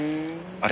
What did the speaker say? あれ？